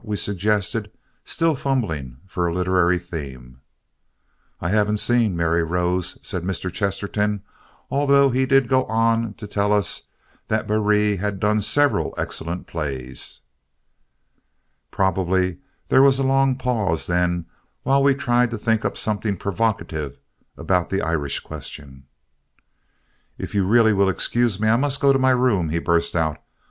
we suggested, still fumbling for a literary theme. "I haven't seen 'Mary Rose,'" said Mr. Chesterton, although he did go on to tell us that Barrie had done several excellent plays. Probably there was a long pause then while we tried to think up something provocative about the Irish question. "If you really will excuse me, I must go to my room," he burst out.